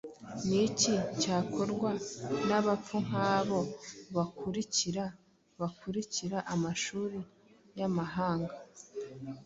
Niki cyakorwa nabapfu nkabo bakurikira bakurikira amashuri yamahanga?